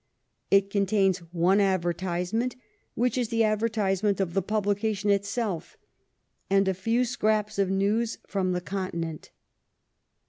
It contains one advertisement, which is the advertisement of the publication itself, and a few scraps of news from the continent.